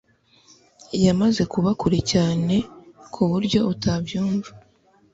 Yamaze kuba kure cyane kuburyo atatwumva